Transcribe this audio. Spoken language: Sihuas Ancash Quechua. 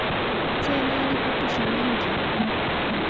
Chay naanipa pushamanki.